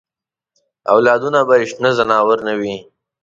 اولادونه به یې شنه ځناور نه وي.